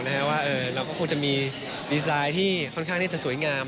ว่าเราก็คงจะมีดีไซน์ที่ค่อนข้างที่จะสวยงาม